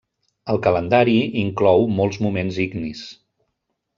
El calendari inclou molts moments ignis.